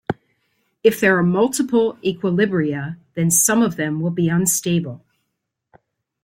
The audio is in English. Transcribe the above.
If there are multiple equilibria, then some of them will be unstable.